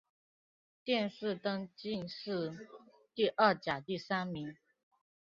殿试登进士第二甲第三名。